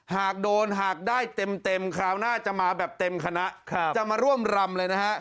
หากโดนหากได้เต็มคราวหน้าจะมาแบบเต็มคณะจะมาร่วมรำเลยนะฮะ